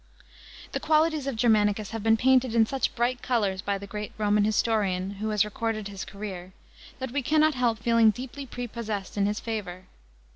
§ 15. The qualities of Germanicus have been painted in such bright colours by the great Roman historian who has recorded his career, that we cannot help feeling deeply prepossessed in his favour.